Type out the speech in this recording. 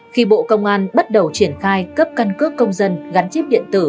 khi bộ công an bắt đầu triển khai cấp căn cước công dân gắn chip điện tử